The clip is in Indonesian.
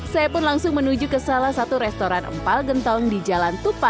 saya pun langsung menuju ke salah satu restoran empal gentong di jalan tupa